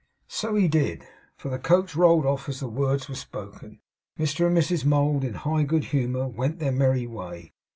So he did; for the coach rolled off as the words were spoken. Mr and Mrs Mould, in high good humour, went their merry way.